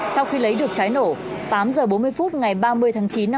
sau khi lấy được trái nổ tám giờ bốn mươi phút ngày ba mươi tháng chín